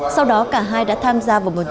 sau đó cả hai đã tham gia vào một cuộc chiến đấu